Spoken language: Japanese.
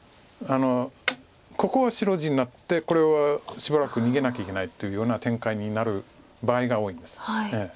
ここは白地になってこれはしばらく逃げなきゃいけないっていうような展開になる場合が多いんです。